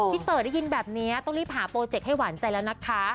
เต๋อได้ยินแบบนี้ต้องรีบหาโปรเจคให้หวานใจแล้วนะคะ